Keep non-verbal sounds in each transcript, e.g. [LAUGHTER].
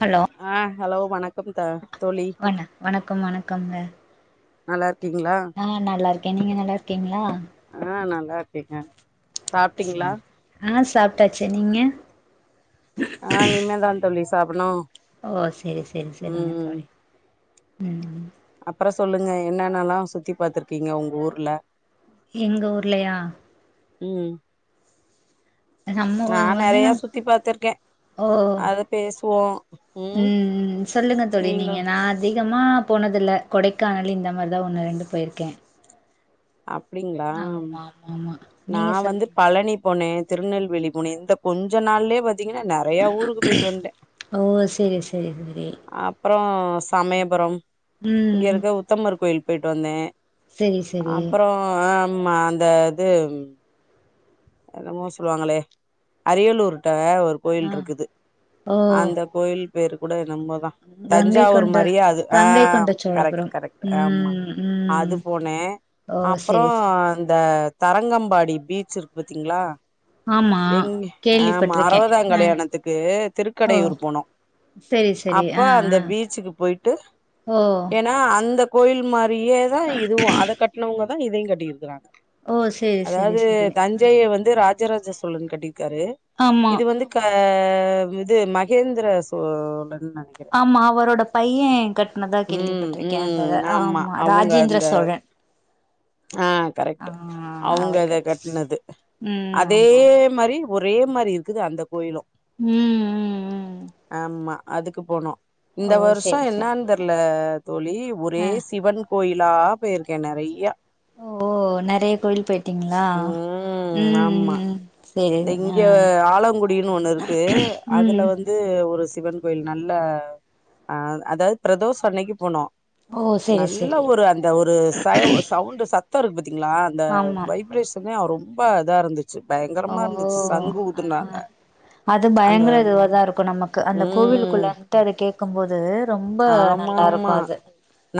hello ஆ hello வணக்கம் தா வண வணக்கம் வணக்கம்ங்க நல்லா இருக்கீங்களா ஆ நல்லா இருக்கே நீங்க நல்லா இருக்கீங்களா [UNINTELLIGIBLE] சரி ஆ சாப்ட்டாச்சு நீங்க ஆ இனி மே தா தோழி சாப்னு ஓ சரி சரி சரிங்க தோழி ம் அப்புற சொல்லுங்க என்னென்னல்லா சுத்தி பாத்துருக்கீங்க உங்க ஊர்ல எங்க ஊர்லயா ம் நம்ம நா ஊர் வந்து நெறைய சுத்தி பாத்துருக்கே ஓ அத பேசுவோ ம் ம் சொல்லுங்க தோழி நீங்க நா அதி கமா போனது இல்ல கொடைக்கானல் இந்த மாரிதா ஒன்னு ரெண்டு போயிருக்கே அப்படிங்களா ஆமா ஆமா ஆமா நீங்க நான் வந்து சொல்லுங்க பழனி போனே திருநெல்வேலி போனே இந்த கொஞ்ச நாள்ளே வந் பாத்தீங்கன்னா நறைய ஊருக்கு போயிட்டு வந்ட்டே ஓ செரி செரி செரி அப்புற சமயபுரம் இங்க ம் இருக்க உத்தமர் கோயில் போயிட்டு வந்தே செரி செரி அப்புற ஆமா அந்த இது என்னமோ சொல்லுவாங்களே அரியலூர் ல ஒரு கோயில் ஆ இருக்குது ஓ அந்த கோயில் பேரு கூட நம்மதா கங்கை தஞ்சாவூர் கொண்ட மரியா அது ஆ கங்கை கொண்ட கரெக்ட் சோழபுரம் கரெக்ட் ஆமா ம் அது ம் போனே ஓ அப்புற செரி செரி இந்த தரங்கம்பாடி பீச் இருக்கு பாத்தீங்களா ஆமா எங்க ஆமா கேள்விப்பட்டிருக்கே அறுவதா ஆ கல்யாணத்துக்கு ஓ திருக்கடையூர் போனோ செரி செரி அப்ப ஆ அந்த ஆ பீச்சுக்கு போயிட்டு ஓ ஏன்னா அந்த கோயில் மாரியே தா இதுவு அத கட்டினவங்க தா இதையு கட்டிருக்கிருங்க ஓ சரி சரி சரி தஞ்சைய வந்து ராஜராஜ சோழன் கட்டிருக்காரு ஆமா இது வந்து அ இது மகேந்திர சோழன் நெனைக்கிறே ஆமா அவரோட பையன் கட்டனதா ம் கேள்விப்பட்டிருக்கே அந்த ம் ஆமா அவுங்க ராஜேந்திர அந்த சோழன் [INAUDIBLE] ஆ ஆ கரெக்ட் அவங்க அவர் இத கட் கட்டினது ம் அதே ஆமா ஆமா மாரி ஒரே மாரி இருக்குது அந்த கோயிலு உம் உம் உம் ஆமா அதுக்கு போனோ இந்த வருஷம் செரி என்னனு தெரியல தோழி ஒரே ஆ சிவன் கோயிலா போயிருக்கே நிறையா ஓ நிறைய கோவில் போயிட்டீங்களா ம் உம் ஆமா உம் இங்க ஆலங்குடினு ஒண்ணு இருக்கு அதுல ம் வந்து ஒரு சிவன் கோயில் நல்ல அ அதாவது பிரதோஷ அன்னைக்கு போனோ ஓ செரி நல்ல செரி ஒரு அந்த ஒரு சவுண்ட் சத்த இருக்கு பாத் திங்கல அந்த ஆமா வைப்ரேஷனே ரொம்ப இதா இருந்துச்சு ஓ பயங்கரமா இருந்துச்சு சங்கு ஆ ஊதுனாங்க அது அந்த பயங்கர இதுவதா இருக்கு நமக்கு அந்த ம் கோவிலுக்குள்ள இருந்துட்டு அத கேட்கு போது ரொம்ப ஆமா நல்லா இருக்கு ஆமா அது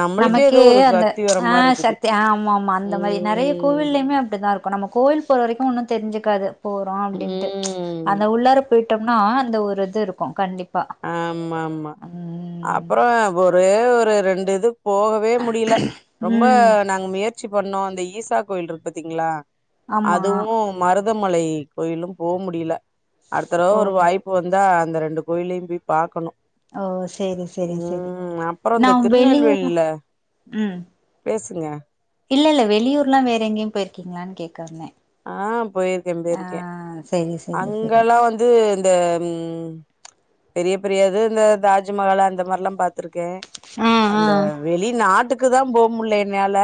நம்மளுக்கே ஏதோ நமக்கே ஒரு அந்த சக்தி வர ஆ மாரி இருக்குது சக்தி ஆமா ஆமா அந்த மாதிரி நிறைய ம் கோவில்லயுமே அப்படித்தா இருக்கு நமக் கோவில் போற வரைக்கு ஒன்னு தெரிஞ்சுக்காது போறோ அப்படின்ட்டு ம் அந்த உள்ளார போயிட் டம்னா அந்த ஒரு இது இருக்கு கண்டிப்பா ஆமா ஆமா ம் அப்புறம் ஒரே ஒரு ரெண்டு இது போகவே முடியல ரொம்ப ம் நாங்க முயற்சி பண்ணோ அந்த ஈசா கோயில் இருக்கு பாத்தீங்களா ஆமா அதுவு மருதமலை கோயிலு போ முடியல அடுத்தடவ ஓ ஒரு வாய்ப்பு வந்தா அந்த ரெண்டு கோயிலையு போய் பாக்கணு ஓ சரி சரி சரி ம் அப்புறோ நா இந்த வெளியூர் திருநெல்வேலில உம் பேசுங்க இல்ல இல்ல வெளியூர்ல வேற எங்கேயு போயிருக்கீங்களான்னு கேக்க வந்தே ஆ போயிருக்கே ஆ போயிருக்கே சேரி சேரி சேரி அங்கல்லா வந்து இந்த பெரிய பெரியது இந்த தாஜ்மஹால் அந்த மாதிரில்லா பார்த் து இருக்கே ஆ ஆ அந்த வெளிநாட்டு க்கு தா போ முடில என்னால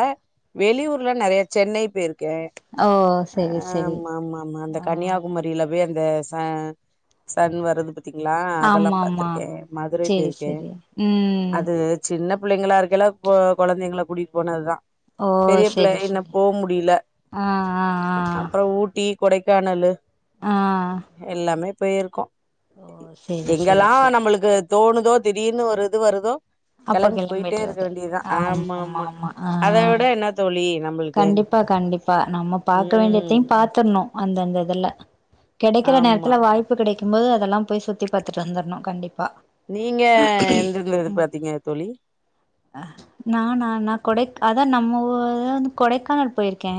வெளியூர்ல நிறைய சென்னை போயிருக்கே ஓ ஆ சேரி சேரி ஆமா ஆமா ஆமா அந்த ஆ கன்னியாகுமரியில போய் அந்த ச சன் வரது பத் தீங்களா அதெல்லா ஆமா ஆமா பாத்திருக்கே மதுரை சேரி போயிருக்கே சேரி ம் அது சின்ன பிள்ளைங்களா இருக்கைல கொழந்தைங்கள கூட்டிட்டு போனதுதா ஓ பெரிய சேரி பிள்ளையாய் இன்னு சேரி போ முடில ஆ ஆ அப்புற ஊட்டி கொடைக்கானலு ஆ போயிருக்கோ ஓ சேரி சேரி எங்கெல்லா சேரி நம்மளுக்கு தோணுதோ திடீர்னு ஒரு இது வருதோ கிளம்பி போயிட்டே இருக்க வேண்டியதுதா ஆமா ஆமா அத விட என்ன தோழி நம்மளுக்கு கண்டிப்பா கண்டிப்பா நம்ம பாக்க ம் வேண்டியத்தையு பாத்துரணு அந்தந்த இதுல கெடைக்கிற ஆமா நேரத்துல வாய்ப்பு கிடைக்கு போது அதெல்லா போய் சுத்திப் பாத்துட்டு வந்துரணும் கண்டிப் நீங்க எந் இது து பாத்தீங்க தோழி அ நானா நா கொடைக் அதா நம்ம வந்து கொடைக்கானல் போயிருக்கே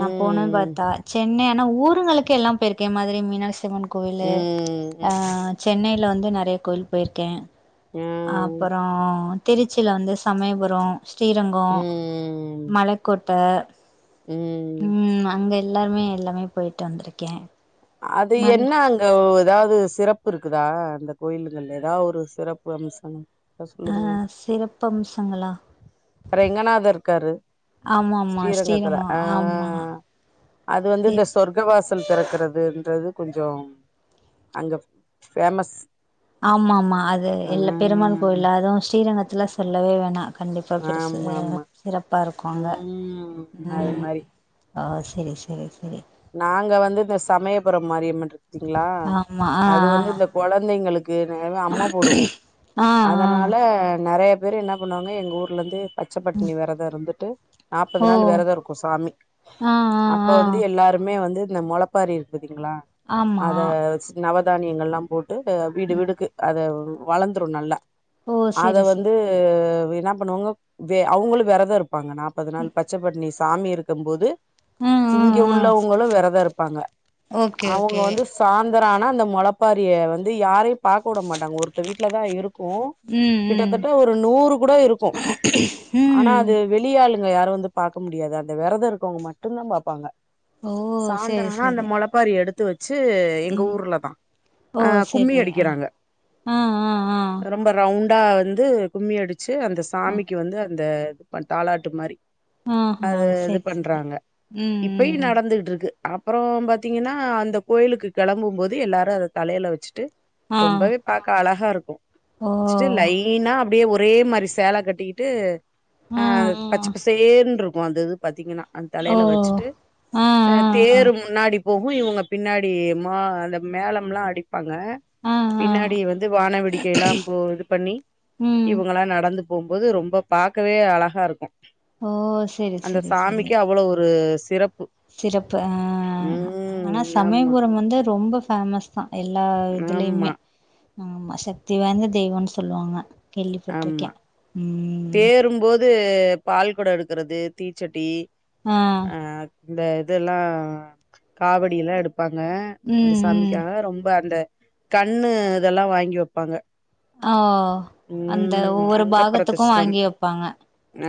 நா போன பார்த்தா சென்னை ஊருங்களுக்கு எல்லா போயிருக்கே மதுரை மீனாட்சிம்மன் கோயிலு ம் ஆ ம் சென்னையில வ ந்து நிறைய கோவில் போயிருக்கே ம் அப்புற திருச்சியில வந்து சமயபுரோ ஸ்ரீரங்கோ ம் ம் மலக்கோட்ட ம் அங்க இருக் எல்லாருமே எல்லாமே போயிட்டு வந்திருக்கே அது நல் என்ன அங்க உ ஏதாவது சிறப்பு இருக்குதா அந்த கோயிலுங்கல ஏதாவது ஒரு சிறப்பு அம்சம் இருந்தா சொல்லுங்களே அஹ் சிறப்பு அம்சங்களா ரெங்கநாதர் இருக்காரு ஆமாமா ஸ்ரீரங்கத்துல ஸ்ரீரங்கம் ஆ ஆமா அது வந்து இந்த சரி சொர்க்க வாசல் தெறக்குறது ன்றது கொஞ்சோ அங்க ஃபேமஸ் ஆமா ஆமா அது இல்ல பெருமாள் ம் கோயில அதுவு ஸ்ரீரங்கத்துல சொல்லவே வேணா கண்டிப்பா பெருசு ஆமா ஆமா சிறப்பா இருக்கோ அங்க ம் அது மாரி ஆ செரி செரி செரி நாங்க வந்து இந்த சமயபுரம் மாரியம்மன் இருக்குதுங்களா ஆமா ஆ அது வந்து இந்த கொழந்தைங்குளுக்கு நறைய அம்ம போடோ ஆ ஆ அதனால நறைய பேரு என்ன பண்ணுவாங்க எங்க ஊர்ல இருந்து பச்ச பட்னி வெரதோ இருந்துட்டு நாப்பது ஆ ஓ நாள் வெரதோ இருக்கோ சாமிக்கு ஆ அப்ப ஆ ஆ வந்து எல்லாருமே வந்து இந்த மொளப்பாரி இருக்கு ங்களா ஆமா அத நவதானியங்கள்லா போட்டு வீடு ம் வீடுக்கு அத வளந்துரோ நல்லா ஓ அத சரி வந்து சரி என்னா பண்ணுவாங்க அவங்களும் வெரத இருப்பாங்க நாப்பது நாள் பச்ச பட்னி சாமி இருக்கும் போது ஆ ஆ இங்க ஆ உள்ளவுங்களோ வெரதோ இருப்பாங்க ஓகே அவுங்க ஓகே வந்து சாந் தரானா அந்த மொளப்பாரிய வந்து யாரையு பாக்க உட மாட்டாங்க ஒருத்த வீட்டுலதா இருக்கோ ம் ம் கிட்டத்தட்ட ஒரு நூறு கூட இருக்கோ ஆனா ம் அது வெளிய ஆளுங்க யாரு வந்து பாக்க முடியாது அந்த விரதோ இருக்கவுங்க மட்டுதா பாப்பாங்க ஓ சரி சாய்ந்தரானா அந்த சரி மொளப்பாரிய எடுத்து வெச்சு எங்க ம் ஊர்ல தா ஓ ஆ கும்மி செரி ஆ அடிக்கிறாங்க ஆ ஆ ரொம்ப ரவுண்ட் அடா வந்து கும்மி அடிச்சு அந்த ஆ ஆ சாமிக்கு வந்து அந்த தாலாட்டு மாரி ஆஹா அது இது செரி செரி பண்றாங்க ம் இப்பயு ம் ம் நடந்துட் அப்புறோ பாத்தீங்கன்னா அந்த கோயிலுக்கு கெளம்பும்போது எல்லாரு அத தலைல வெச்சுட்டு ஆ ரொம்பவே பாக்க அழகா இருக்கோ ஓ வச்ட்டு லைனா அப்டியே ஒரு ஒரே மாரி சேல கட்டிக்கிட்டு அ ஆ ஆ பச்சப்பசேர்னு இருக்கோ அந்த இது பாத்தீங்கன்னா ஓ அந்தலைல வச்சுட்டு ஆ அ ஆ தேரு ஆ முன்னாடி போவு இவுங்க பின்னாடி மா அந்த மேளம்லா அடிப் பாங்க ஆ ஆ பின்னாடி வந்து வானவேடிக்கை எல்லா இது பண்ணி ம் இவுங்களா நடந்து போம்போது ரொம்ப பாக்கவே அழகா இருக்கோ ஓ செரி அந்த செரி செரி சாமிக்கு அவ்ளோ ஒரு சிறப்பு சிறப்பு ஆ ஆனா ம் ஆமா சமயபுரம் வந்து ரொம்ப ஃபேமஸ்தா எல்லா ஆமா இதுலேயுமே ஆமா சக்தி வாய்ந்த தெய்வம்னு சொல்லுவாங்க ஆமா கேள்விப்பட்டிருக்கே ம் வந்து பால் கொடோ எடுக்குறது தீச்சட்டி ஆ இந்த இதுல்லா காவடி எல்லா எடுப்பாங்க அந்த ம் ம் சாமிக்காக ரொம்ப அந்த கண்ணு இதுல்லா வாங்கி வெப்பாங்க ஓ அந்த ம் ஒவ்வோரு அங்க பாகத்துக்கோ பிரதர்ஷனம் வாங்கி வெப்பாங்க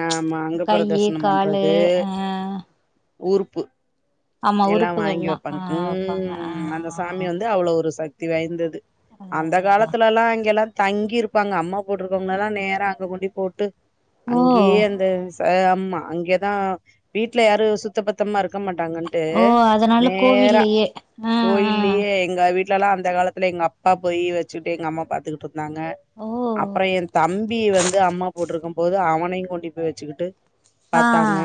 ஆமா அங்க கையு பிரதர்ஷனம் காலு அ ஊர்ப்பு எல்லா வாங்கி ஆ வெப்பாங்க வெப்பாங்க ஆ ம் அந்த சாமி வந்து அவ்ளோ ஒரு சக் தி வாய்ந்தது அதா அந்த அதா அதா காலத்துலலா இங்கெல்லா தங்கி இருப்பாங்க அம்மாப் போட்ருக்கவுங்கலலா நேரா அங்க கொண்டி போட்டு ஓ அங்கேயே அந்த அ அம்மா அங்கேதா வீட்ல யாரோ சுத்த பத்தமா இருக் க மாட்டாங்கட்டு ஓ அதனால நேரா கோவில்லயே ஆ ஆ கோயிலயே எங்க வீட் லலா அந்த காலத்துல எங்க அப்பா போயி வெச்சுக்கிட்டு எங்க அம்மா பாத்துக்குட்டு இருந்தாங்க ஓ அப்புறோ ஏ தம்பி வந்து அம்மா போட்ருக்குபோது அவனயு கூட்டி போய் வெச்சுக்கிட்டு ஆ பாத்தாங்க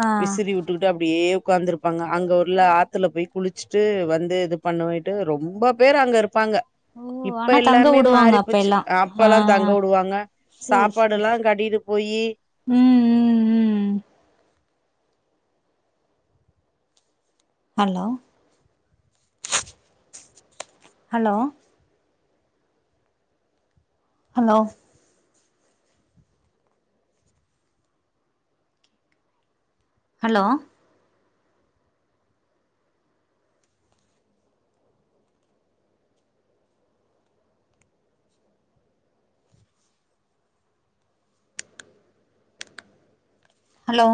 ஆ விசிறி விட்டுக்கிட்டு அப்டியே உட்காந்துருப்பாங்க அங்க உள்ள ஆத்துல போய் குளிச்சிட்டு வந்து இது பண்ணவைட்டு ரொம்ப பேர் அங்கருப் பாங்க ஓ இப்ப ஆனா தங்க எல்லாமே வுடுவாங்க மாறி அப்ப போச்சி எல்லா அப் ஆ பல்லா தங்க வுடுவாங்க சேரி சேரி சாப்பாடெல்லா சே கட்டிட்டு போயி ம் ம் ம் hello hello hello hello hello